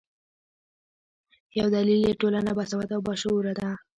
یو دلیل یې ټولنه باسواده او باشعوره ده.